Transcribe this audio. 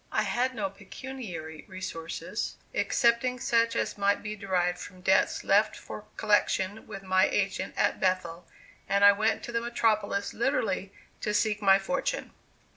I had no pecuniary resources, excepting such as might be derived from debts left for collection with my agent at Bethel, and I went to the metropolis literally to seek my fortune.